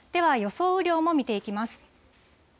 では、予想雨量も見ていきます。